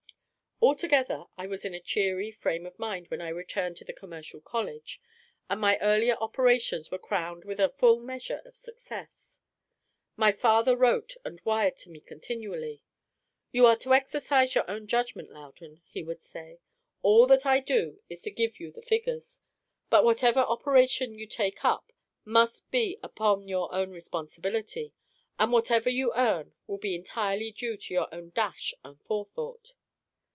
Altogether, I was in a cheery frame of mind when I returned to the commercial college; and my earlier operations were crowned with a full measure of success. My father wrote and wired to me continually. "You are to exercise your own judgment, Loudon," he would say. "All that I do is to give you the figures; but whatever operation you take up must be upon your own responsibility, and whatever you earn will be entirely due to your own dash and forethought."